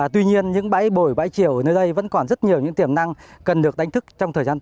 tuy nhiên những bãi bồi bãi triều ở nơi đây vẫn còn rất nhiều những tiềm năng cần được đánh thức trong thời gian tới